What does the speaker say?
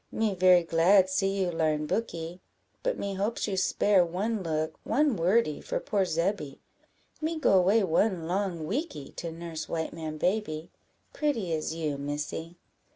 me very glad see you larn booky, but me hopes you spare one look, one wordy, for poor Zebby; me go away one long weeky, to nurse white man baby, pretty as you, Missy."